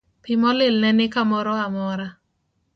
Pi molil ne ni kamoro amora.